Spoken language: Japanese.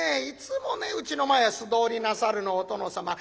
「いつもねうちの前を素通りなさるのお殿様。